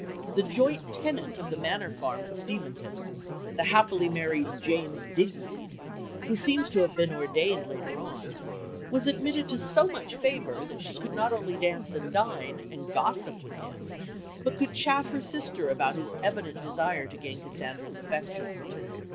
The joint tenant of the Manor farm at Steventon, the happily named James Digweed who seems to have been ordained later on was admitted to so much favour that she could not only dance and dine, and gossip with him, but could chaff her sister about his evident desire to gain Cassandra's affection.